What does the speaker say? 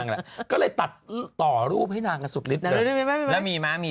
นี่นี่นี่นี่นี่นี่นี่นี่นี่